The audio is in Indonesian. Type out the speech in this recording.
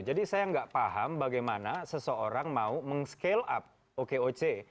jadi saya gak paham bagaimana seseorang mau meng scale up oke oce